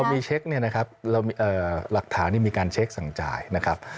มีเช็คเนี่ยนะครับหลักฐานมีการเช็คสั่งจ่ายนะครับ